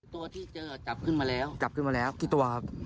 ตัวที่เจอจับขึ้นมาแล้วจับขึ้นมาแล้วกี่ตัวครับ